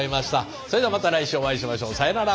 それではまた来週お会いしましょう。さようなら。